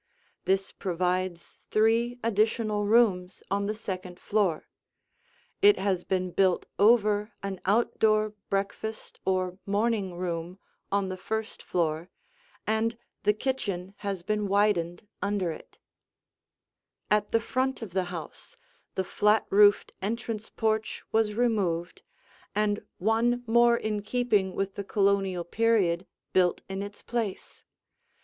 This provides three additional rooms on the second floor. It has been built over an outdoor breakfast or morning room on the first floor, and the kitchen has been widened under it. [Illustration: The Entrance Porch] At the front of the house, the flat roofed entrance porch was removed, and one more in keeping with the Colonial period built in its place.